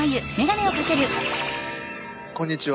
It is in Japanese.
こんにちは！